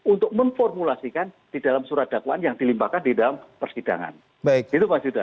untuk memformulasikan di dalam surat dakwan yang dilimpahkan di dalam persidangan itu mas yuda